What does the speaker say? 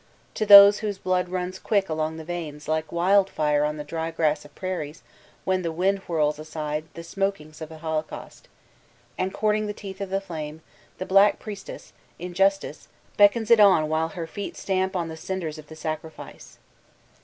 To those whose blood runs quick along the veins like wild fire on the dry grass of prairies when the wind whirls aside the smokings of die liok>caiist, and, courting the teeth of the flame, the black priestess^ Injustice, beckons it on while her feet stamp on the cinders of the sacrifice!